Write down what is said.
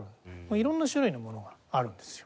色んな種類のものがあるんですよ。